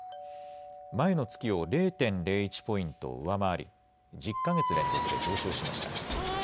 前の月を０．０１ポイント上回り１０か月連続で上昇しました。